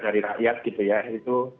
dari rakyat gitu ya itu